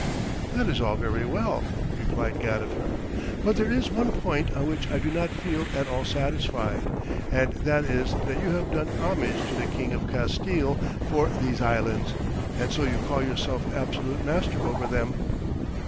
"That is all very well," replied Gadifer, "but there is one point on which I do not feel at all satisfied, and that is that you have done homage to the King of Castille for these islands, and so you call yourself absolute master over them."